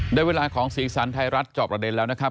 ได้เวลาของสีสันไทยรัฐจอบประเด็นแล้วนะครับ